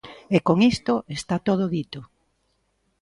E con iso está todo dito.